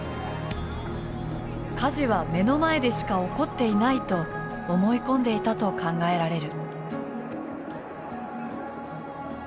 火事は目の前でしか起こっていないと思い込んでいたと考えられる。